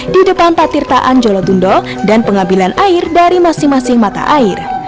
di depan patirtaan jolotundo dan pengambilan air dari masing masing mata air